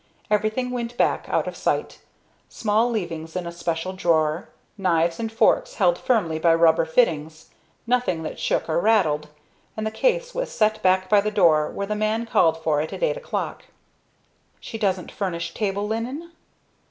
Everything went back out of sight; small leavings in a special drawer, knives and forks held firmly by rubber fittings, nothing that shook or rattled. And the case was set back by the door where the man called for it at eight o'clock. "She doesn't furnish table linen?"